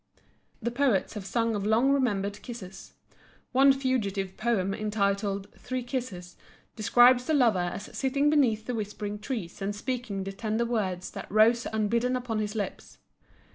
The poets have sung of long remembered kisses. One fugitive poem entitled "Three Kisses" describes the lover as sitting beneath the whispering trees and speaking the tender words that rose unbidden upon his lips.